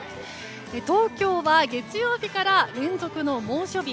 東京は月曜日から連続の猛暑日。